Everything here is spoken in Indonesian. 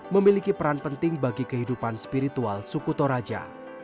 memiliki peran penting bagi kehidupan spiritual suku toraja